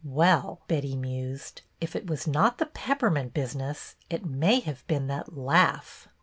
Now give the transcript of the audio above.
"Well," Betty mused, " if it was not the peppermint business it may have been that Hugh."